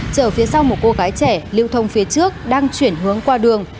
chở phía sau một cô gái trẻ lưu thông phía trước đang chuyển hướng qua đường